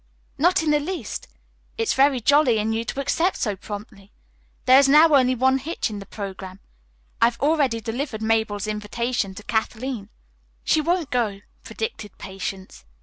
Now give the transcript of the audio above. "Not in the least. It's very jolly in you to accept so promptly. There is now only one hitch in the programme. I have already delivered Mabel's invitation to Kathleen." "She won't go," predicted Patience.